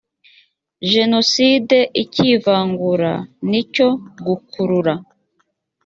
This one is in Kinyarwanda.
jenoside icyivangura n icyo gukurura